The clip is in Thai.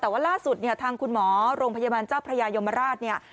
แต่ว่าล่าสุดเนี่ยทางคุณหมอโรงพยาบาลเจ้าพระยายมราชเนี่ย